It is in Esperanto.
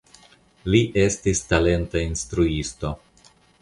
Li estis talenta instruisto.